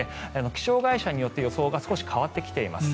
気象会社によって予想が少し変わってきています。